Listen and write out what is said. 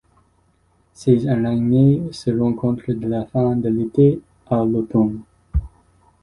Ces araignées se rencontrent de la fin de l’été à l’automne.